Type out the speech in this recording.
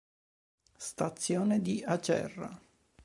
Stazione di Acerra